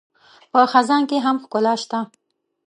په خزان کې هم ښکلا شته